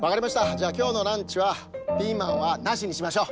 じゃあきょうのランチはピーマンはなしにしましょう。